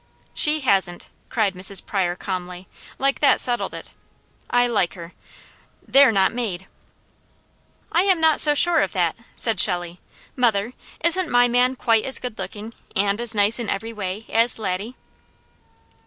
"She hasn't!" cried Mrs. Pryor calmly, like that settled it. I like her. "They're not made!" "I am not so sure of that," said Shelley proudly. "Mother, isn't my man quite as good looking, and as nice in every way, as Laddie?"